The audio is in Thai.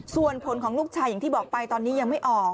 ส่วนผลของลูกชายอย่างที่บอกไปตอนนี้ยังไม่ออก